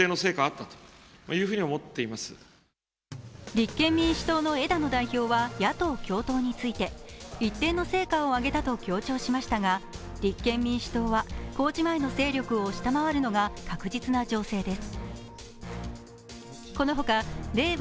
立憲民主党の枝野代表は野党共闘について一定の成果を上げたと強調しましたが立憲民主党は、公示前の勢力を下回るのが確実な情勢です。